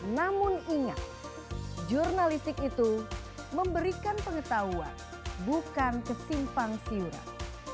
namun ingat jurnalistik itu memberikan pengetahuan bukan kesimpang siuran